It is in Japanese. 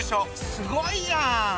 すごいやん！